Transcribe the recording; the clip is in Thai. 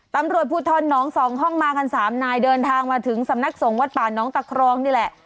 ตำรวจภูทรน้องสองห้องมากัน๓นายเดินทางมาถึงสำนักสงฆ์วัดป่าน้องตะครองนี่แหละ